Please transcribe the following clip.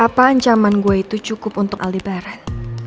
apa ancaman gue itu cukup untuk alibara